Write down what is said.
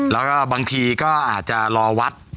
แล้วก็บางทีก็อาจจะรอวัด